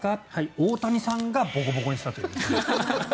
大谷さんがボコボコにしたという。